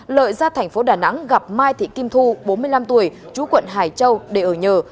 nguyễn văn lợi ra tp đà nẵng gặp mai thị kim thu bốn mươi năm tuổi chú quận hải châu để ở nhờ